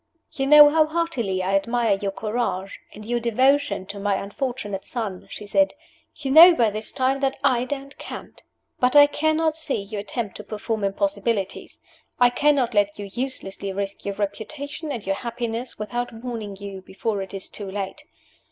"You know how heartily I admire your courage, and your devotion to my unfortunate son," she said. "You know by this time that I don't cant. But I cannot see you attempt to perform impossibilities; I cannot let you uselessly risk your reputation and your happiness without warning you before it is too late.